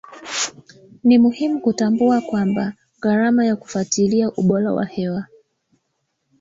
Ni muhimu kutambua kwamba gharama ya kufuatilia ubora wa hewa